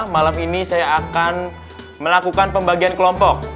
malam ini saya akan melakukan pembagian kelompok